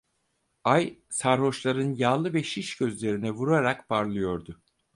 Ay sarhoşların yağlı ve şiş gözlerine vurarak parlıyordu.